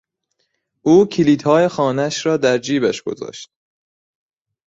او کلیدهای خانهاش را در جیبش گذاشت.